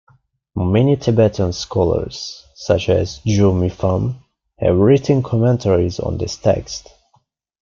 Many Tibetan scholars, such as Ju Mipham, have written commentaries on this text.